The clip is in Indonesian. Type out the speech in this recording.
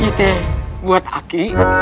ini buat arkik